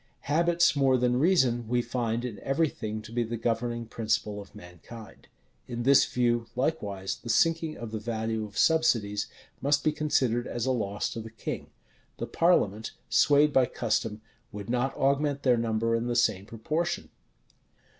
Habits, more than reason, we find in every thing to be the governing principle of mankind. In this view, likewise, the sinking of the value of subsidies must be considered as a loss to the king. The parliament, swayed by custom, would not augment their number in the same proportion.